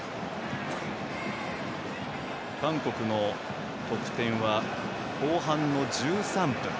韓国の得点は後半の１３分。